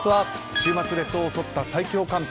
週末、列島を襲った最強寒波。